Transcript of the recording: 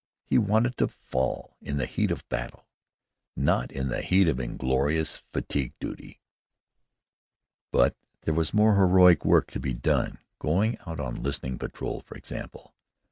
He wanted to fall in the heat of battle, not in the heat of inglorious fatigue duty. But there was more heroic work to be done: going out on listening patrol, for example.